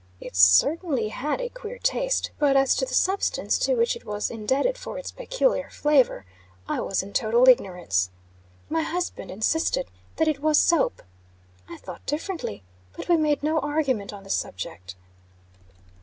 It certainly had a queer taste; but, as to the substance to which it was indebted for its peculiar flavor, I was in total ignorance. My husband insisted that it was soap. I thought differently; but we made no argument on the subject.